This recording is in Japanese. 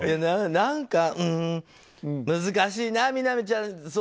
何か難しいな、みなみちゃん。